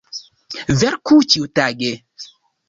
Verku ĉiutage!